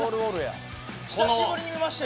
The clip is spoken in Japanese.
久しぶりに見ました。